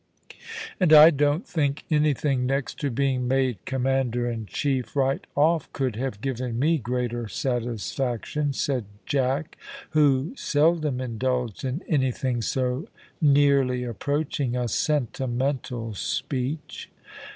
"And I don't think anything next to being made commander in chief right off could have given me greater satisfaction," said Jack, who seldom indulged in anything so nearly approaching a sentimental speech.